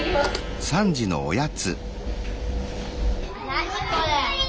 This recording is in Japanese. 何これ。